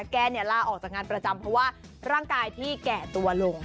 แกลาออกจากงานประจำเพราะว่าร่างกายที่แก่ตัวลง